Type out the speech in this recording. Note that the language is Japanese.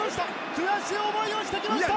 悔しい思いをしてきました。